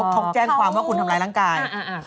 เขาแจ้งความว่าคุณทำร้ายร่างกาย